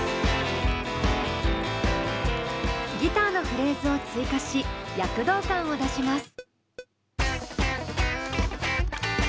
ギターのフレーズを追加し躍動感を出します。